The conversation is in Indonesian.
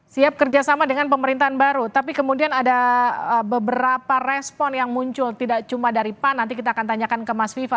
siap kerjasama dengan pemerintahan baru tapi kemudian ada beberapa respon yang muncul tidak cuma dari pan nanti kita akan tanyakan ke mas viva